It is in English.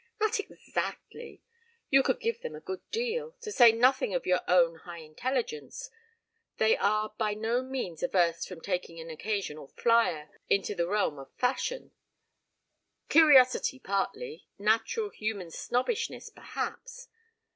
"Not exactly. You could give them a good deal. To say nothing of your own high intelligence, they are by no means averse from taking an occasional flyer into the realm of fashion. Curiosity partly, natural human snobbishness, perhaps.